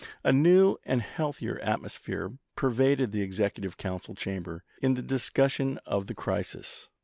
A new and healthier atmosphere pervaded the Executive council chamber in the dis cussion of the crisis.